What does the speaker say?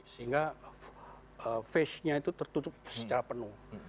sehingga face nya itu tertutup secara penuh